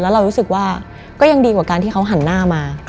แล้วเรารู้สึกว่าก็ยังดีกว่าการที่เขาหันหน้ามา